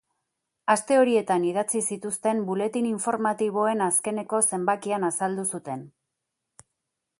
Aste horietan idatzi zituzten buletin informatiboen azkeneko zenbakian azaldu zuten.